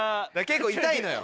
結構痛いのよ。